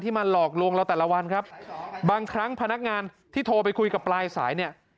มาหลอกลวงเราแต่ละวันครับบางครั้งพนักงานที่โทรไปคุยกับปลายสายเนี่ย